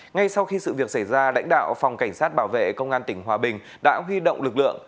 ngay sau khi sự việc xảy ra lãnh đạo phòng cảnh sát bảo vệ công an tỉnh hòa bình đã huy động lực lượng